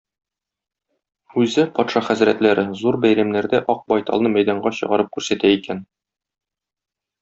Үзе, патша хәзрәтләре, зур бәйрәмнәрдә Ак байталны мәйданга чыгарып күрсәтә икән.